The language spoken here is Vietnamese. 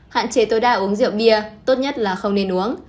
hạn chế tối đa uống rượu bia tốt nhất là không nên uống